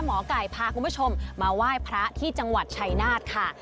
หมอไก่พาคุณผู้ชมมาไหว้พระที่จังหวัดชัยนาธค่ะ